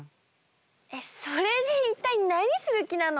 えっそれでいったいなにする気なの？